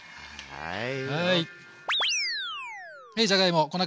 はい。